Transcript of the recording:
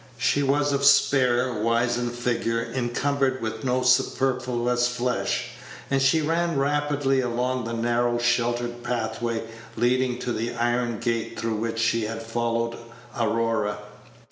She was of spare, wizen figure, encumbered with no superfluous flesh, and she ran rapidly along the narrow sheltered pathway leading to the iron gate through which she had followed Aurora.